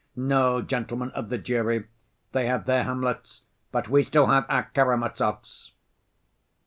No, gentlemen of the jury, they have their Hamlets, but we still have our Karamazovs!"